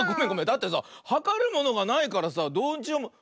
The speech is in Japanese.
だってさはかるものがないからさどうしようも。